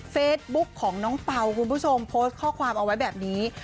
เฟซบุ๊กของน้องเป่าคุณผู้ชมโพสต์ข้อความเอาไว้แบบนี้